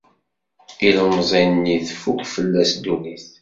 Ilemẓi-nni tfukk fell-as ddunit.